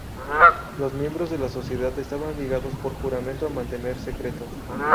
Los miembros de la sociedad estaban ligados por juramento a mantener secreto.